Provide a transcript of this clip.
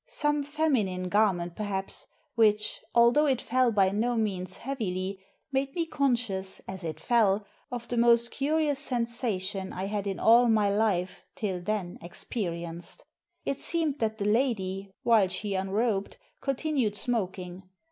Some feminine garment, perhaps, which, although it fell by no means heavily, made me con scious, as it fell, of the most curious sensation I had in all my life — till then — experienced. It seemed that the lady, while she unrobed, continued smoking.